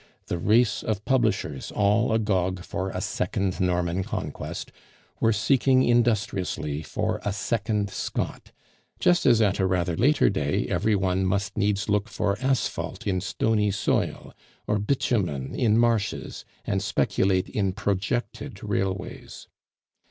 The race of publishers, all agog for a second Norman conquest, were seeking industriously for a second Scott, just as at a rather later day every one must needs look for asphalt in stony soil, or bitumen in marshes, and speculate in projected railways.